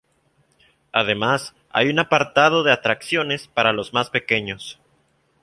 Además, hay un apartado de atracciones para los más pequeños.